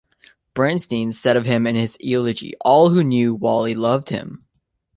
Bernstein said of him in his eulogy, All who knew Wally loved him.